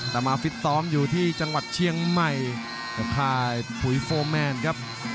แต่มาฟิตซ้อมอยู่ที่จังหวัดเชียงใหม่กับค่ายปุ๋ยโฟร์แมนครับ